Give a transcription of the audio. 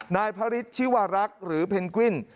นายพระฤทธิวารักษ์หรือเพนกวิน